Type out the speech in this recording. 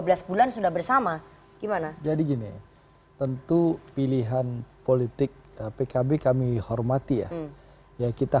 belas bulan sudah bersama gimana jadi gini tentu pilihan politik pkb kami hormati ya ya kita